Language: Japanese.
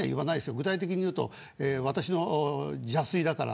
具体的に言うと私の邪推だから。